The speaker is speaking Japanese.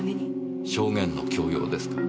証言の強要ですか。